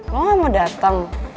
lo nggak mau dateng